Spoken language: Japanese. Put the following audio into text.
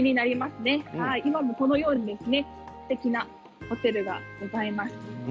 今もこのようにすてきなホテルがございます。